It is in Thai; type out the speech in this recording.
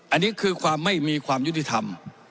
อันนี้คือความไม่มีความยุติธรรม